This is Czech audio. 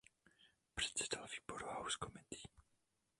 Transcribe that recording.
Předsedal výboru House Committee.